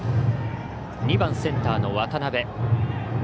２番、センターの渡辺。